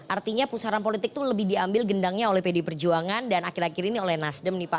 artinya pusaran politik itu lebih diambil gendangnya oleh pdi perjuangan dan akhir akhir ini oleh nasdem nih pak